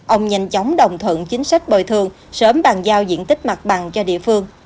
ông nhanh chóng đồng thuận chính sách bồi thường sớm bàn giao diện tích mặt bằng cho địa phương